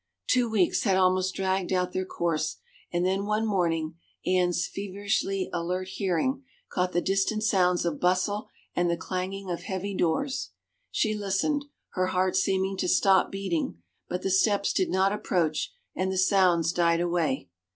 Two weeks had almost dragged out their course and then one morning Anne's feverishly alert hearing caught the distant sounds of bustle and the clanging of heavy doors. She listened, her heart seeming to stop beating, but the steps did not approach and the sounds died away.